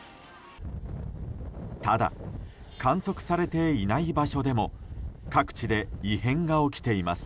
ただ、観測されていない場所でも各地で異変が起きています。